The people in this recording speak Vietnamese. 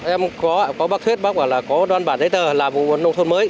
em có ạ có bác thuyết bác bảo là có đoàn bản đáy tờ làm nông thôn mới